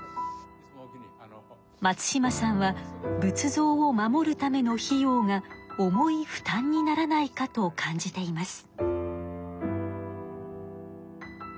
松島さんは仏像を守るための費用が重い負担にならないかと感じています。